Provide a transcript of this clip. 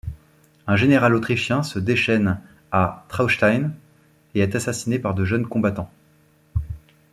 Un général autrichien se déchaîne à Traunstein et est assassiné par de jeunes combattants.